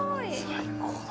最高だ。